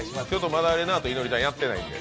まだれなぁといのりちゃんやってないんで。